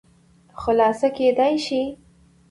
خلاصه کېداى شي